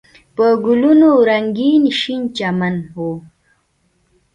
په ګلونو رنګین شین چمن و.